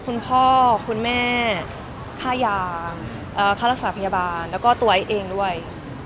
คุณพ่อคุณแม่ค่ายางค่ารักษาพยาบาลแล้วก็ตัวไอซ์เองด้วย